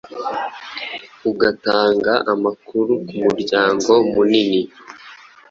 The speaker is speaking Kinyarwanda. ugatanga amakuru kumuryango munini,